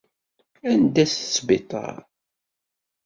Anda-t sbiṭar?